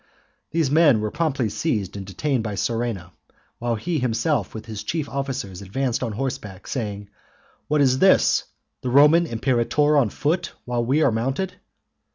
These men were promptly seized and detained by Surena, while he himself with his chief officers advanced on horseback, saying: " What is this? the Roman imperator on foot, while we are mounted?"